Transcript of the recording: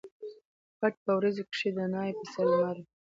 پټ په وریځو کښي د ناوي په څېر لمر و